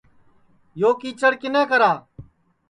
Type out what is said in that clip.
یو کیچڑ کِنے کرا ہے